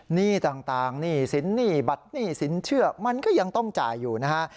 หนี้ต่างหนี้สินหนี้บัตรหนี้สินเชื่อมันก็ยังต้องจ่ายอยู่นะฮะ